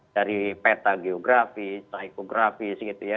dari peta geografis hipografis gitu ya